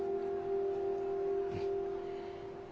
うん。